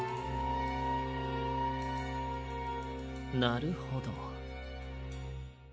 なるほど。